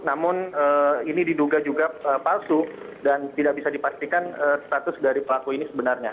namun ini diduga juga palsu dan tidak bisa dipastikan status dari pelaku ini sebenarnya